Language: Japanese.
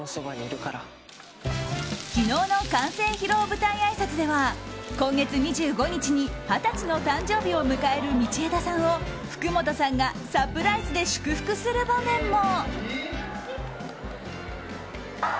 昨日の完成披露舞台あいさつでは今月２５日に２０歳の誕生日を迎える道枝さんを福本さんがサプライズで祝福する場面も。